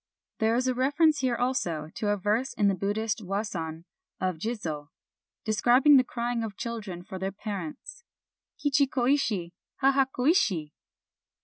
There is a reference here also to a verse in the Buddhist wasan of Jizo, describing the crying of the children for their parents :" Chichi koishi ! haha koishi